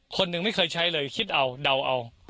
คนหนึ่งไม่เคยใช้เลยคิดเอาเดาเอา